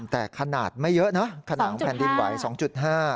แต่ขนาดไม่เยอะน่ะเนอะขนาดว่าแผ่นดินไหวสองจุดห้า